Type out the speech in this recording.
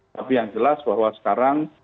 tapi yang jelas bahwa sekarang